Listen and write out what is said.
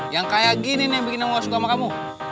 yang kayak gini nih yang bikin aku suka sama kamu